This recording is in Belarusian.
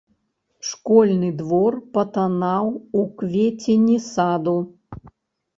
Школьны двор патанаў у квецені саду.